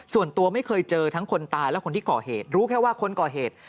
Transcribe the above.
ส่วนตัวไม่เคยเจอทั้งคนตายและคนที่ก่อเหตุรู้แค่ว่าคนก่อเหตุ